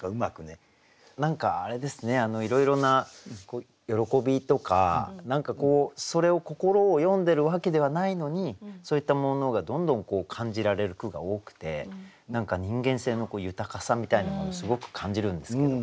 何かあれですねいろいろな喜びとか何かそれを心を詠んでるわけではないのにそういったものがどんどん感じられる句が多くて何か人間性の豊かさみたいなものをすごく感じるんですけど。